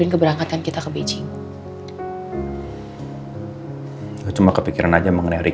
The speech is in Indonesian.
kebenaran kita itu diundur